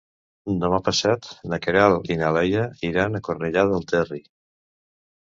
Demà passat na Queralt i na Laia iran a Cornellà del Terri.